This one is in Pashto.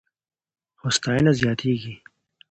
هوساينه زياتېږي.